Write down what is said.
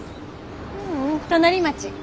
ううん隣町。